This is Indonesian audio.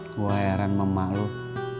gak ada badut